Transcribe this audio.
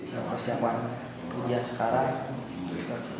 saya harus siapkan ujian sekarang